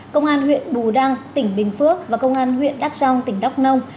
công an huyện bù đăng tỉnh bình phước và công an huyện đắk rông tỉnh đắk nông